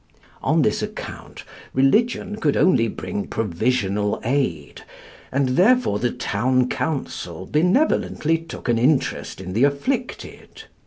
On this account religion could only bring provisional aid, and therefore the town council benevolently took an interest in the afflicted.